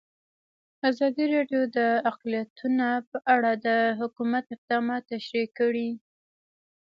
ازادي راډیو د اقلیتونه په اړه د حکومت اقدامات تشریح کړي.